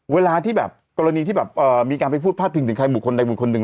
เวลาที่แบบกรณีที่แบบมีการไปพูดพาดพิงถึงใครบุคคลใดบุคคลหนึ่ง